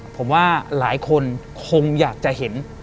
ผมว่าหลายคนคงอยากจะเห็น